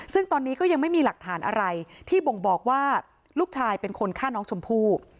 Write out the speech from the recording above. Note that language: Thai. ซึ่งตอนนี้ก็ยังไม่มีหลักฐานอะไรที่บ่งบอกว่าลูกชายเป็นคนฆ่าน้องชมพู่